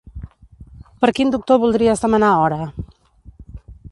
Per quin doctor voldries demanar hora?